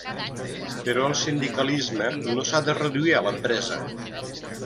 Però el sindicalisme no s’ha de reduir a l’empresa.